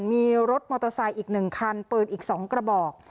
มีรถมอเตอร์ไซค์อีก๑คันปืนอีก๒กระบอก